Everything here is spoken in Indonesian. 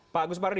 pak agus mardi